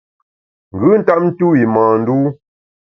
Ngùn ntap ntu’w i mâ ndû.